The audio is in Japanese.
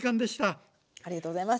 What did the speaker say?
ありがとうございます。